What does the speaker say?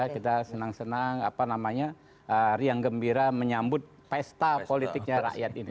kita senang senang riang gembira menyambut pesta politiknya rakyat ini